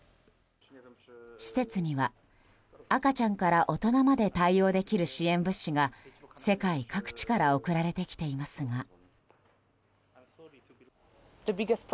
施設には、赤ちゃんから大人まで対応できる支援物資が世界各地から送られてきていますが。